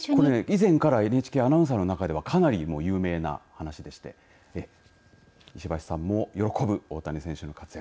以前からＮＨＫアナウンサーの中では有名な話でして石橋さんも喜ぶ大谷選手の活躍。